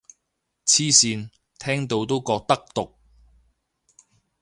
黐線，聽到都覺得毒